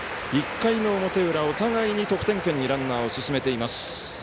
１回の表裏、お互いに得点圏にランナーを進めています。